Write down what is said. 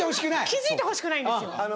気付いてほしくないんですよ。